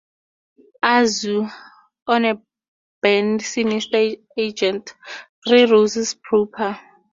Azure, on a bend sinister Argent, three roses proper.